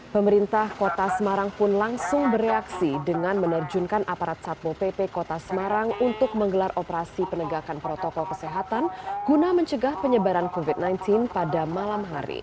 pemerintah kota semarang pun langsung bereaksi dengan menerjunkan aparat satpo pp kota semarang untuk menggelar operasi penegakan protokol kesehatan guna mencegah penyebaran covid sembilan belas pada malam hari